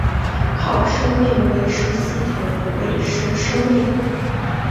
靠生命维持系统维持生命。